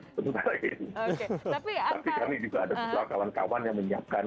tapi kami juga ada beberapa kawan kawan yang menyiapkan